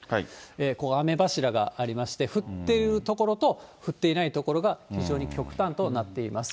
ここ、雨柱がありまして、降ってる所と、降っていない所が非常に極端となっています。